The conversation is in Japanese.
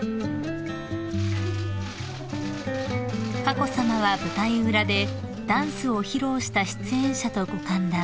［佳子さまは舞台裏でダンスを披露した出演者とご歓談］